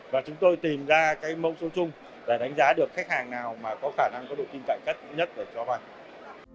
và chúng tôi tìm ra cái mẫu số chung để đánh giá được khách hàng nào mà có khả năng có độ tin cạnh cất nhất để cho vào